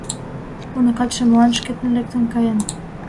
— Уныкатше молан шкетын лектын каен?